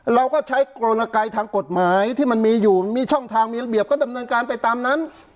เราก็ใช้กรณไกรทางกฎหมายที่มันมีอยู่มีช่องทางมีระเบียบก็ดำเนินการไปตามนั้น